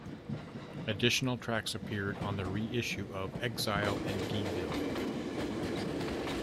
Additional tracks appeared on the reissue of "Exile in Guyville".